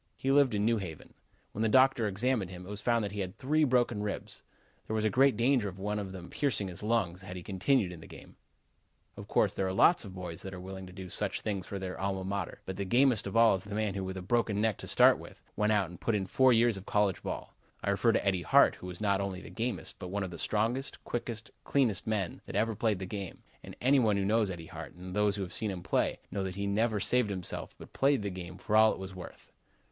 He lived in New Haven. When the doctor examined him, it was found that he had three broken ribs. There was great danger of one of them piercing his lungs had he continued in the game. Of course, there are lots of boys that are willing to do such things for their Alma Mater, but the gamest of all is the man who, with a broken neck to start with, went out and put in four years of college football. I refer to Eddie Hart, who was not only the gamest, but one of the strongest, quickest, cleanest men that ever played the game, and any one who knows Eddie Hart and those who have seen him play, know that he never saved himself but played the game for all it was worth.